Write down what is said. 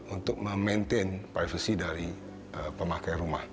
untuk memaintain privasi dari pemakai rumah